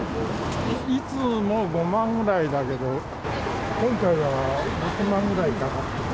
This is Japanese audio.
いつも５万ぐらいだけど、今回は６万ぐらいかな。